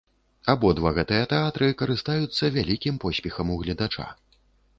Абодва гэтыя тэатры карыстаюцца вялікім поспехам у гледача.